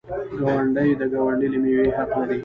ګاونډی د ګاونډي له میوې حق لري.